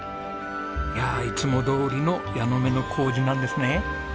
いやあいつもどおりの矢ノ目の糀なんですね。